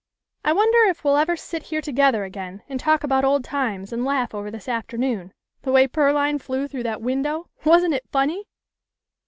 I wonder if we'll ever sit here together again and talk about old times and laugh over this afternoon the way Pearline flew through that window. Wasn't it funny